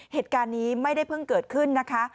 เหตุการณ์นี้ไม่ได้เพิ่งเกิดขึ้นนะคะ